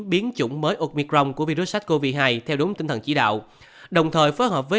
biến chủng mới omicrong của virus sars cov hai theo đúng tinh thần chỉ đạo đồng thời phối hợp với